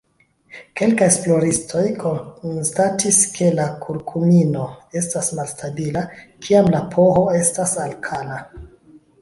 Kelkaj esploristoj konstatis ke la kurkumino estas malstabila kiam la pH estas alkala.